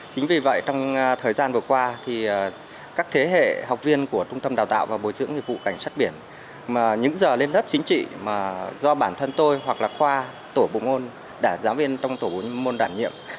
chính vì vậy trong thời gian vừa qua các thế hệ học viên của trung tâm đào tạo và bồi trưởng nghiệp vụ cảnh sát biển những giờ lên lớp chính trị do bản thân tôi hoặc là khoa tổ bộ ngôn giáo viên trong tổ bộ ngôn đảm nhiệm